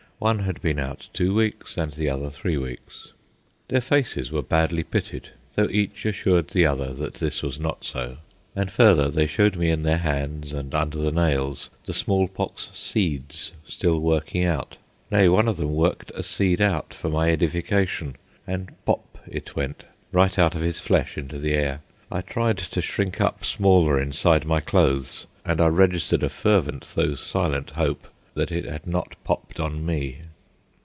One had been out two weeks, and the other three weeks. Their faces were badly pitted (though each assured the other that this was not so), and further, they showed me in their hands and under the nails the smallpox "seeds" still working out. Nay, one of them worked a seed out for my edification, and pop it went, right out of his flesh into the air. I tried to shrink up smaller inside my clothes, and I registered a fervent though silent hope that it had not popped on me.